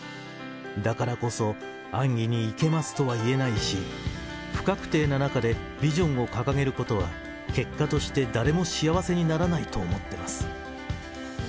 だからこそ、安易にいけますとは言えないし、不確定な中で、ビジョンを掲げることは、結果として誰も幸せにならないと思ってます。